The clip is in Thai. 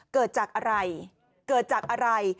เกิดจากอะไรเกิดจากอะไร